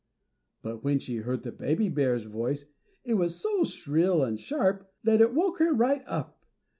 But when she heard the baby bear's voice it was so shrill and sharp that it woke her right up.